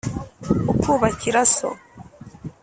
ukubakira so.